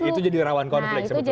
itu jadi rawan konflik sebetulnya